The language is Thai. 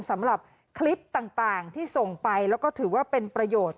สำหรับคลิปต่างที่ส่งไปแล้วก็ถือว่าเป็นประโยชน์